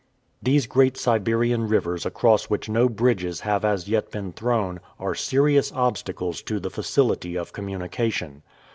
These great Siberian rivers across which no bridges have as yet been thrown, are serious obstacles to the facility of communication.